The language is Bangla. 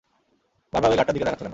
বারবার ওই গার্ডটার দিকে তাকাচ্ছ কেন?